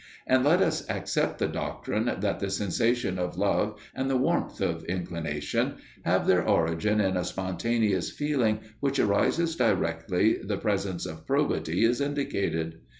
And let us accept the doctrine that the sensation of love and the warmth of inclination have their origin in a spontaneous feeling which arises directly the presence of probity is indicated.